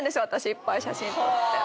いっぱい写真撮って。